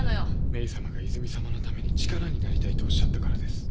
メイさまが泉さまのために力になりたいとおっしゃったからです。